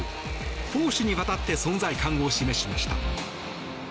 攻守にわたって存在感を示しました。